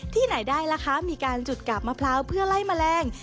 ไหนได้ล่ะคะมีการจุดกาบมะพร้าวเพื่อไล่แมลง